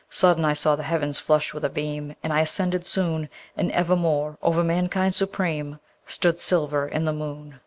Sudden I saw the heavens flush with a beam, And I ascended soon, And evermore over mankind supreme, Stood silver in the moon.